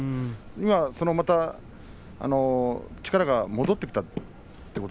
今、また力が戻ってきた